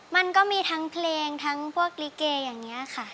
มันก็มีทั้งเพลงทั้งพวกลิเกอย่างนี้ค่ะ